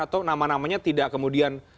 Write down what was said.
atau nama namanya tidak kemudian